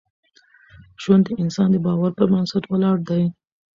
ژوند د انسان د باور پر بنسټ ولاړ دی.